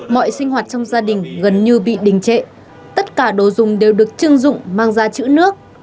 mọi sinh hoạt trong gia đình gần như bị đình trệ tất cả đồ dùng đều được chưng dụng mang ra chữ nước